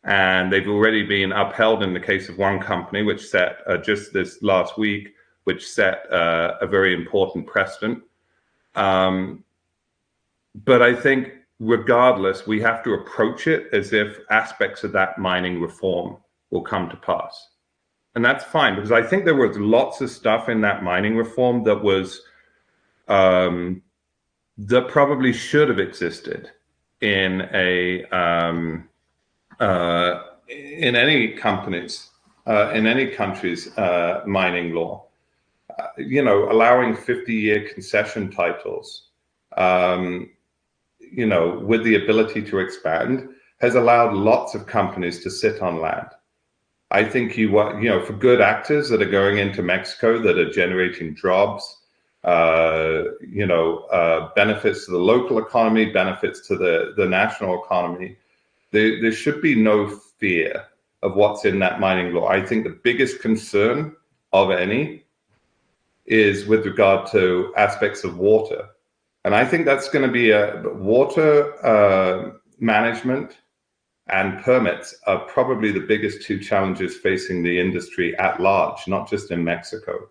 [SPEAKER 2] and they've already been upheld in the case of one company which set just this last week a very important precedent. I think regardless, we have to approach it as if aspects of that mining reform will come to pass. That's fine because I think there was lots of stuff in that mining reform that was that probably should have existed in any country's mining law. You know, allowing 50-year concession titles, you know, with the ability to expand, has allowed lots of companies to sit on land. I think you know, for good actors that are going into Mexico that are generating jobs, you know, benefits to the local economy, benefits to the national economy, there should be no fear of what's in that mining law. I think the biggest concern of any is with regard to aspects of water. I think that's gonna be a. Water management and permits are probably the biggest two challenges facing the industry at large, not just in Mexico.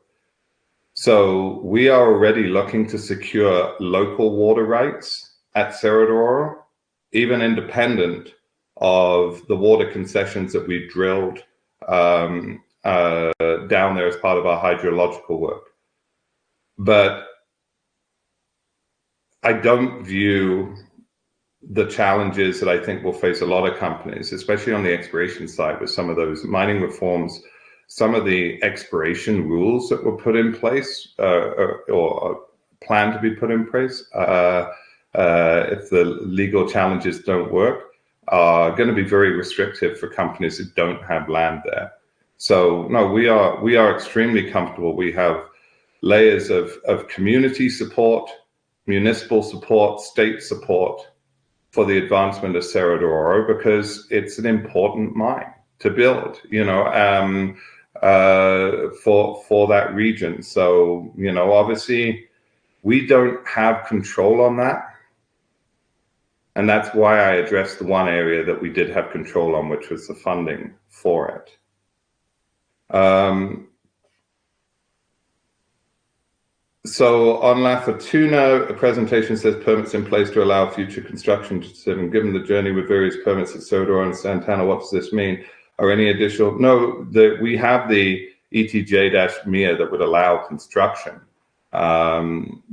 [SPEAKER 2] We are already looking to secure local water rights at Cerro de Oro, even independent of the water concessions that we drilled down there as part of our hydrological work. I don't view the challenges that I think will face a lot of companies, especially on the exploration side with some of those mining reforms. Some of the exploration rules that were put in place or planned to be put in place, if the legal challenges don't work, are gonna be very restrictive for companies that don't have land there. No, we are extremely comfortable. We have layers of community support, municipal support, state support for the advancement of Cerro de Oro because it's an important mine to build, you know, for that region. You know, obviously we don't have control on that, and that's why I addressed the one area that we did have control on, which was the funding for it. On La Fortuna, a presentation says permits in place to allow future construction. Given the journey with various permits at Cerro de Oro and Santana, what does this mean? Are any additional? No. We have the ETJ-MIA that would allow construction. Again,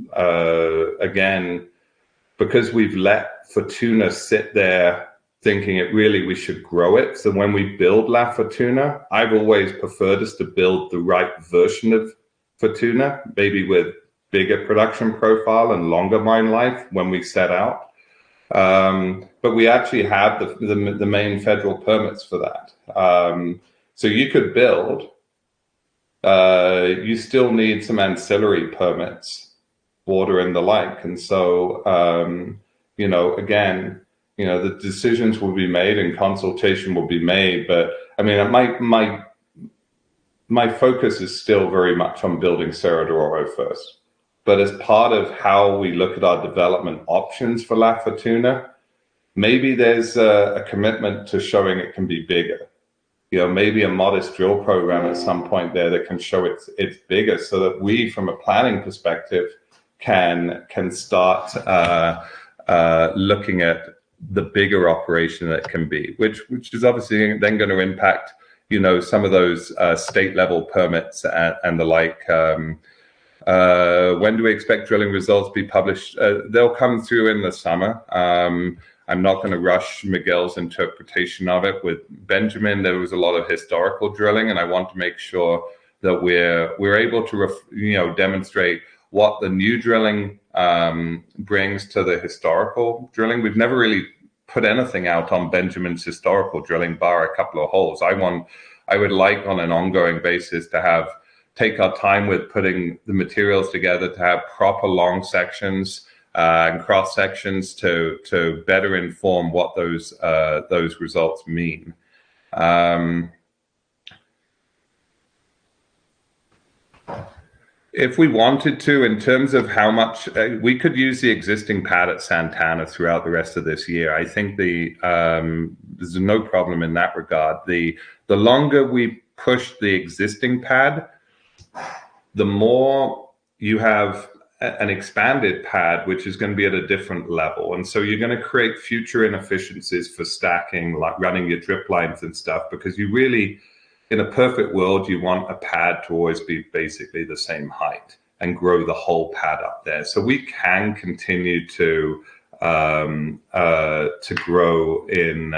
[SPEAKER 2] because we've let Fortuna sit there thinking it really, we should grow it. When we build La Fortuna, I've always preferred us to build the right version of Fortuna, maybe with bigger production profile and longer mine life when we set out. We actually have the main federal permits for that. You could build. You still need some ancillary permits, water and the like. You know, the decisions will be made and consultation will be made. I mean, my focus is still very much on building Cerro de Oro first. As part of how we look at our development options for La Fortuna, maybe there's a commitment to showing it can be bigger. You know, maybe a modest drill program at some point there that can show it's bigger so that we, from a planning perspective, can start looking at the bigger operation that it can be. Which is obviously then going to impact, you know, some of those state-level permits and the like. When do we expect drilling results to be published? They'll come through in the summer. I'm not gonna rush Miguel's interpretation of it. With Benjamin, there was a lot of historical drilling, and I want to make sure that we're able to you know, demonstrate what the new drilling brings to the historical drilling. We've never really put anything out on Benjamin's historical drilling but a couple of holes. I would like on an ongoing basis to have. Take our time with putting the materials together to have proper long sections and cross-sections to better inform what those results mean. If we wanted to, in terms of how much we could use the existing pad at Santana throughout the rest of this year. I think there's no problem in that regard. The longer we push the existing pad, the more you have an expanded pad, which is gonna be at a different level. You're gonna create future inefficiencies for stacking, like running your drip lines and stuff because you really, in a perfect world, you want a pad to always be basically the same height and grow the whole pad up there. We can continue to grow in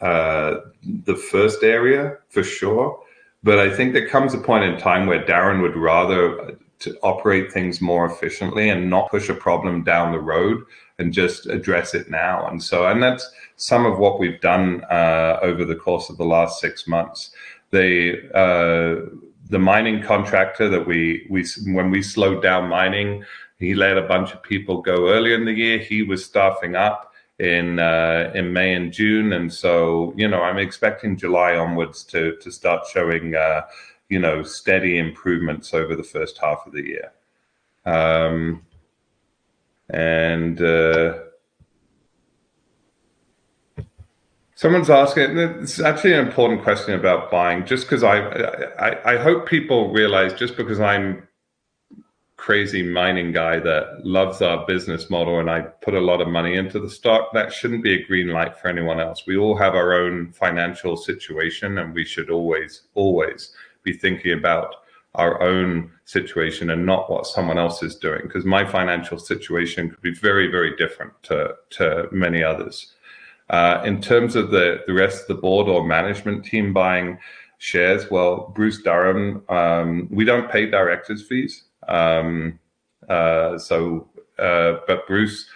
[SPEAKER 2] the first area for sure. I think there comes a point in time where Darren would rather to operate things more efficiently and not push a problem down the road and just address it now. That's some of what we've done over the course of the last six months. The mining contractor that we when we slowed down mining, he let a bunch of people go early in the year. He was staffing up in May and June. I'm expecting July onwards to start showing steady improvements over the first half of the year. Someone's asking, it's actually an important question about buying. Just 'cause I hope people realize just because I'm crazy mining guy that loves our business model and I put a lot of money into the stock, that shouldn't be a green light for anyone else. We all have our own financial situation, and we should always be thinking about our own situation and not what someone else is doing. 'Cause my financial situation could be very different to many others. In terms of the rest of the board or management team buying shares, well, Bruce Durham, we don't pay directors fees. But Bruce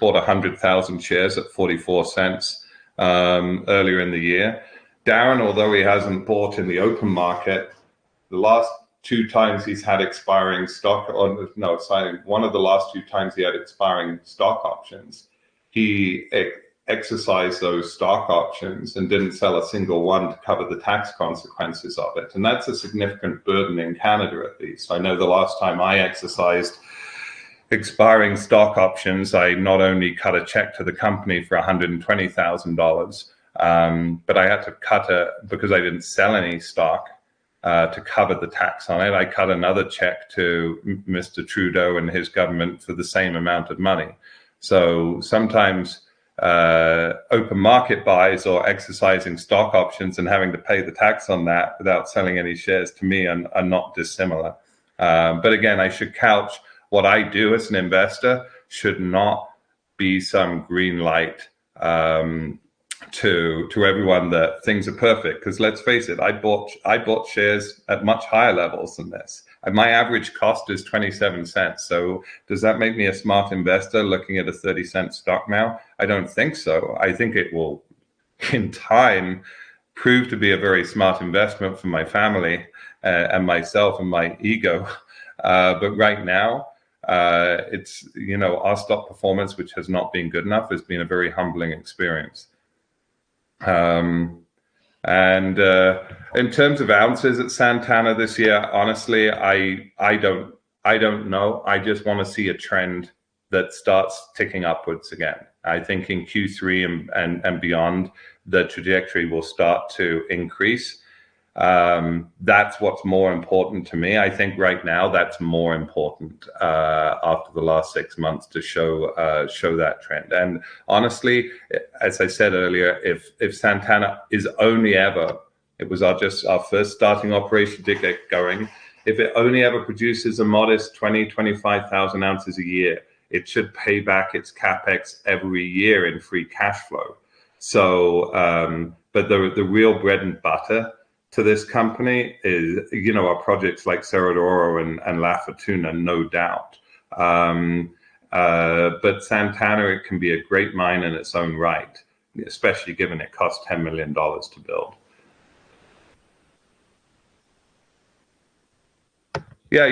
[SPEAKER 2] bought 100,000 shares at 0.44 earlier in the year. Darren, although he hasn't bought in the open market, the last two times he's had expiring stock. One of the last few times he had expiring stock options, he exercised those stock options and didn't sell a single one to cover the tax consequences of it. That's a significant burden in Canada, at least. I know the last time I exercised expiring stock options, I not only cut a check to the company for 120,000 dollars, but I had to cut another check because I didn't sell any stock to cover the tax on it. I cut another check to Mr. Trudeau and his government for the same amount of money. Sometimes open market buys or exercising stock options and having to pay the tax on that without selling any shares to me are not dissimilar. I should couch what I do as an investor should not be some green light to everyone that things are perfect. 'Cause let's face it, I bought shares at much higher levels than this. My average cost is 0.27. Does that make me a smart investor looking at a 0.30 stock now? I don't think so. I think it will, in time, prove to be a very smart investment for my family and myself and my ego. Right now, you know, our stock performance, which has not been good enough, has been a very humbling experience. In terms of ounces at Santana this year, honestly, I don't know. I just wanna see a trend that starts ticking upwards again. I think in Q3 and beyond, the trajectory will start to increase. That's what's more important to me. I think right now that's more important after the last six months to show that trend. Honestly, as I said earlier, if Santana is only ever just our first starting operation to get going. If it only ever produces a modest 25,000 oz a year, it should pay back its CapEx every year in free cash flow. But the real bread and butter to this company is, you know, our projects like Cerro de Oro and La Fortuna, no doubt. But Santana, it can be a great mine in its own right, especially given it cost $10 million to build. Yeah.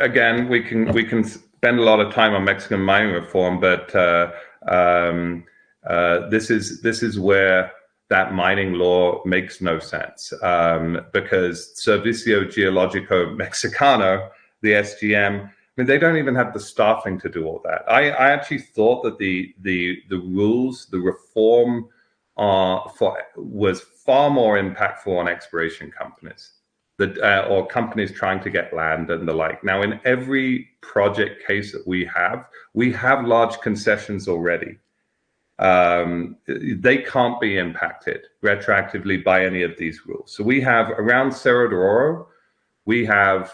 [SPEAKER 2] Again, we can spend a lot of time on Mexican mining reform, but this is where that mining law makes no sense. Because Servicio Geológico Mexicano, the SGM, I mean, they don't even have the staffing to do all that. I actually thought that the rules, the reform was far more impactful on exploration companies or companies trying to get land and the like. Now, in every project case that we have, we have large concessions already. They can't be impacted retroactively by any of these rules. We have around Cerro de Oro a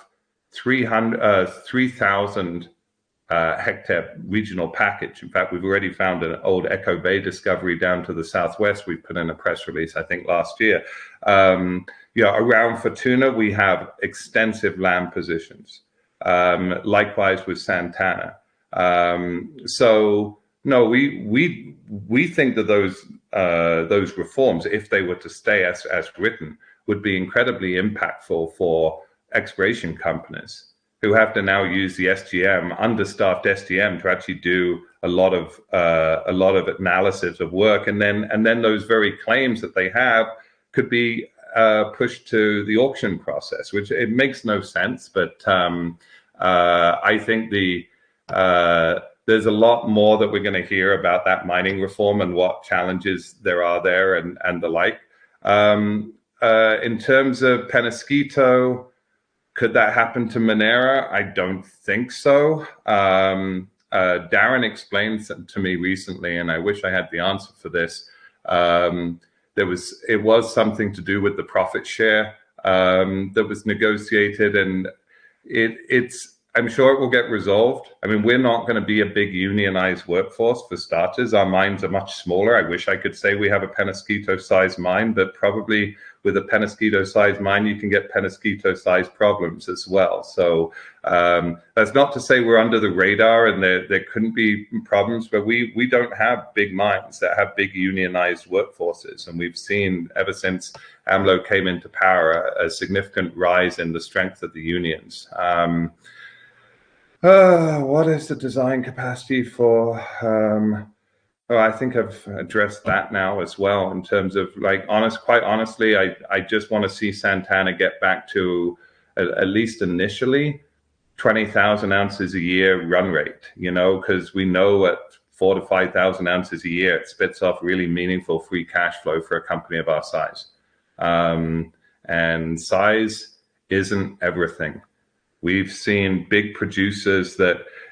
[SPEAKER 2] 3,000-hectare regional package. In fact, we've already found an old Echo Bay discovery down to the southwest. We put in a press release, I think, last year. You know, around Fortuna, we have extensive land positions. Likewise with Santana. No, we think that those reforms, if they were to stay as written, would be incredibly impactful for exploration companies who have to now use the SGM, understaffed SGM, to actually do a lot of analysis of work. Then those very claims that they have could be pushed to the auction process, which it makes no sense. I think there's a lot more that we're going to hear about that mining reform and what challenges there are there and the like. In terms of Peñasquito, could that happen to Minera? I don't think so. Darren explained some to me recently, and I wish I had the answer for this. It was something to do with the profit share that was negotiated, and it's. I'm sure it will get resolved. I mean, we're not going to be a big unionized workforce for starters. Our mines are much smaller. I wish I could say we have a Peñasquito-sized mine, but probably with a Peñasquito-sized mine, you can get Peñasquito-sized problems as well. That's not to say we're under the radar and there couldn't be problems, but we don't have big mines that have big unionized workforces. We've seen ever since AMLO came into power, a significant rise in the strength of the unions. What is the design capacity for? I think I've addressed that now as well in terms of like, honestly, quite honestly, I just want to see Santana get back to, at least initially, 20,000 oz a year run rate. You know? 'Cause we know at 4,000 oz-5,000 oz a year, it spits off really meaningful free cash flow for a company of our size. And size isn't everything. We've seen big producers.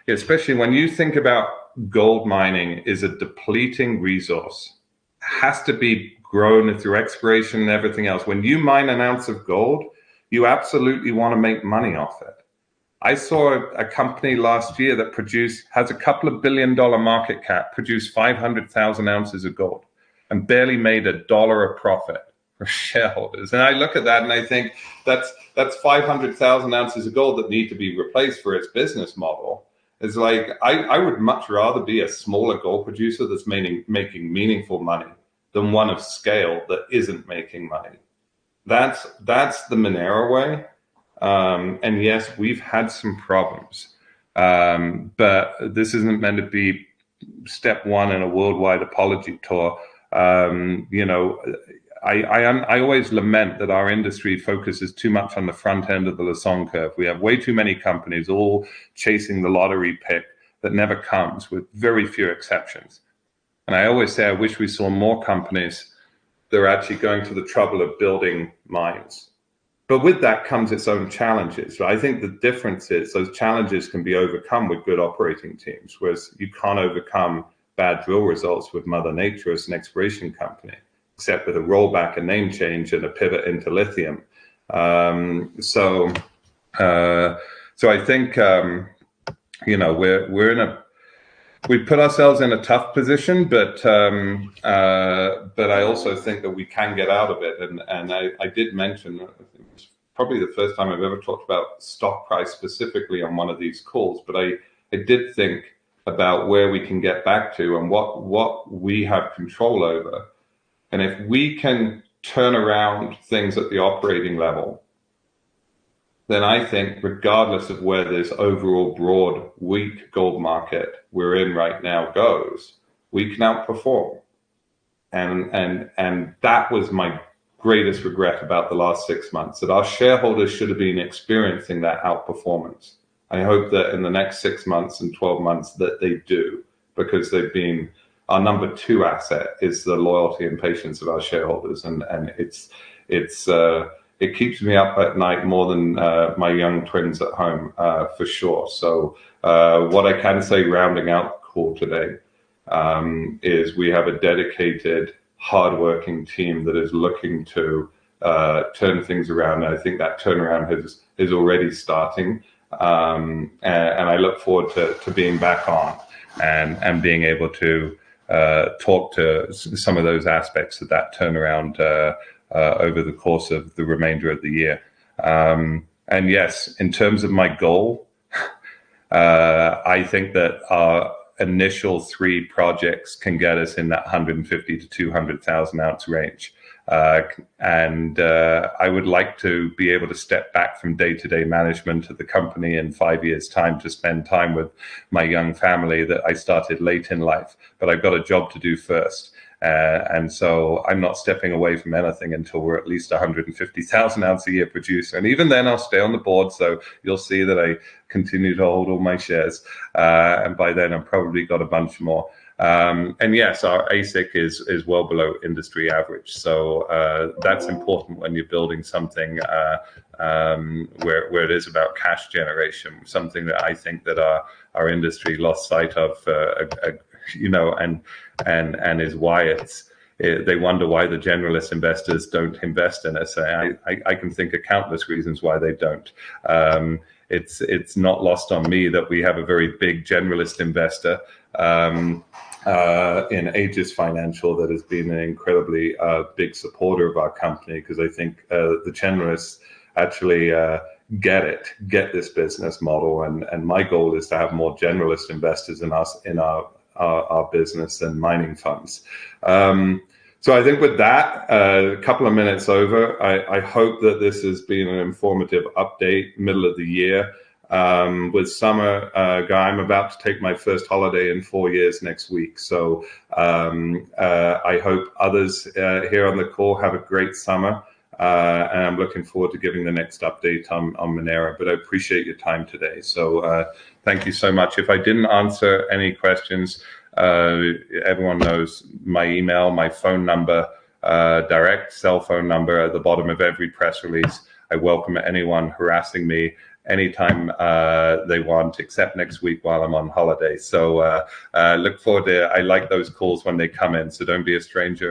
[SPEAKER 2] Especially when you think about gold mining is a depleting resource. It has to be grown through exploration and everything else. When you mine an ounce of gold, you absolutely want to make money off it. I saw a company last year that has a couple of billion-dollar market cap, produced 500,000 oz of gold and barely made a dollar of profit for shareholders. I look at that and I think that's 500,000 oz of gold that need to be replaced for its business model. It's like I would much rather be a smaller gold producer that's meaning, making meaningful money than one of scale that isn't making money. That's the Minera way. And yes, we've had some problems. But this isn't meant to be step one in a worldwide apology tour. You know, I am, I always lament that our industry focuses too much on the front end of the Lassonde curve. We have way too many companies all chasing the lottery pick that never comes with very few exceptions. I always say I wish we saw more companies that are actually going to the trouble of building mines. But with that comes its own challenges, right? I think the difference is those challenges can be overcome with good operating teams, whereas you can't overcome bad drill results with mother nature as an exploration company, except with a rollback, a name change, and a pivot into lithium. I think, you know, we're in a tough position, but I also think that we can get out of it. I did mention, I think it was probably the first time I've ever talked about stock price specifically on one of these calls, but I did think about where we can get back to and what we have control over. If we can turn around things at the operating level, then I think regardless of where this overall broad weak gold market we're in right now goes, we can outperform. That was my greatest regret about the last six months, that our shareholders should have been experiencing that outperformance. I hope that in the next six months and 12 months that they do, because they've been our number 2 asset is the loyalty and patience of our shareholders. It keeps me up at night more than my young twins at home, for sure. What I can say rounding out the call today is we have a dedicated, hardworking team that is looking to turn things around. I think that turnaround is already starting. I look forward to being back on and being able to talk to some of those aspects of that turnaround over the course of the remainder of the year. Yes, in terms of my goal, I think that our initial three projects can get us in that 150,000-200,000 ounce range. I would like to be able to step back from day-to-day management of the company in five years' time to spend time with my young family that I started late in life. I've got a job to do first. I'm not stepping away from anything until we're at least a 150,000 oz a year producer. Even then, I'll stay on the board, so you'll see that I continue to hold all my shares. By then I've probably got a bunch more. Yes, our AISC is well below industry average. That's important when you're building something, where it is about cash generation. Something that I think that our industry lost sight of, you know, and is why they wonder why the generalist investors don't invest in us. I can think of countless reasons why they don't. It's not lost on me that we have a very big generalist investor in Aegis Financial that has been an incredibly big supporter of our company because I think the generalists actually get it, get this business model. My goal is to have more generalist investors in us, in our business than mining funds. I think with that, a couple of minutes over, I hope that this has been an informative update, middle of the year, with summer. I'm about to take my first holiday in four years next week. I hope others here on the call have a great summer. I'm looking forward to giving the next update on Minera Alamos. I appreciate your time today. Thank you so much. If I didn't answer any questions, everyone knows my email, my phone number, direct cell phone number at the bottom of every press release. I welcome anyone harassing me anytime they want, except next week while I'm on holiday. Look forward to. I like those calls when they come in, so don't be a stranger.